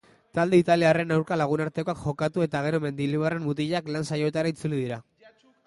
Talde italiarren aurka lagunartekoak jokatu eta gero mendilibarren mutilak lan saioetara itzuli dira.